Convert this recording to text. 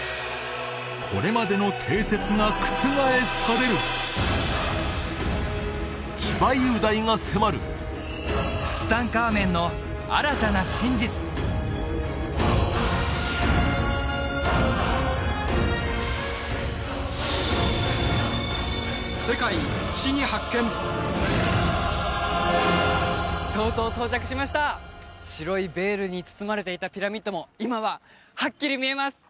これまでの千葉雄大が迫るとうとう到着しました白いベールに包まれていたピラミッドも今ははっきり見えます